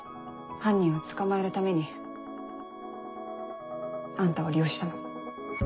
犯人を捕まえるためにあんたを利用したの。